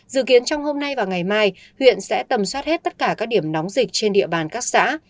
dự kiến trong hôm nay và ngày mai huyện sẽ tầm soát hết tất cả các điểm nóng dịch trên địa bàn các xã